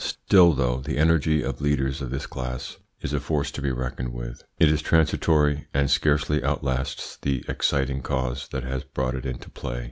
Still, though the energy of leaders of this class is a force to be reckoned with, it is transitory, and scarcely outlasts the exciting cause that has brought it into play.